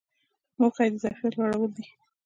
موخه یې د ظرفیت لوړول دي.